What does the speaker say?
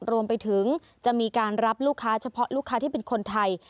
รวมไปถึงจะมีการรับลูกค้าเฉพาะลูกค้าที่เป็นคนไทย